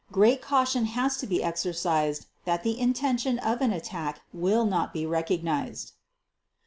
. Great caution has to be exercised that the intention of an attack will not be recognized."